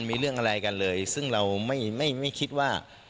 มีเรื่องอะไรกันเลยซึ่งเราไม่ไม่คิดว่า